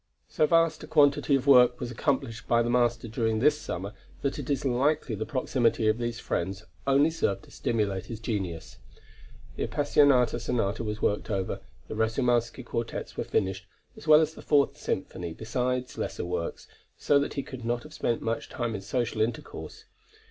So vast a quantity of work was accomplished by the master during this summer, that it is likely the proximity of these friends only served to stimulate his genius. The Appassionata Sonata was worked over, the Rasoumowsky Quartets were finished, as well as the Fourth Symphony, besides lesser works, so that he could not have spent much time in social intercourse.